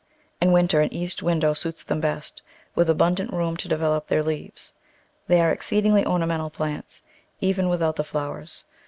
In winter an east window suits them best, with abundant room to develop their leaves. They are an exceedingly ornamental plant even without the flowers.